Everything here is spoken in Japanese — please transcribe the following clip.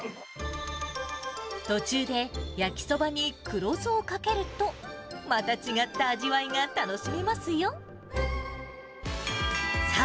途中で焼きそばに黒酢をかけると、また違った味わいが楽しめますよ。